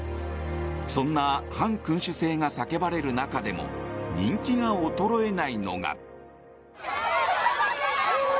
そんな反君主制が叫ばれる中でも人気が衰えないのが。